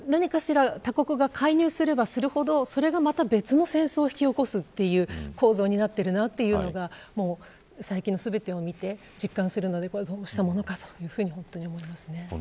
ただ、何かしら他国が介入すればするほどそれがまた別の戦争を引き起こすという構造になっているというのが最近の全てを見て実感するのでどうしたものかというふうに思います。